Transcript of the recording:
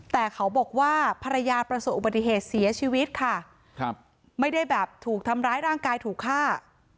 แต่เขาบอกว่าภรรยาประสบอุบัติเหตุเสียชีวิตค่ะครับไม่ได้แบบถูกทำร้ายร่างกายถูกฆ่า